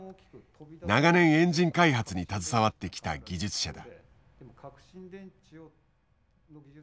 長年エンジン開発に携わってきた技術者だ。